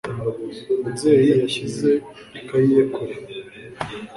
Nzeyi yashyize ikaye ye kure.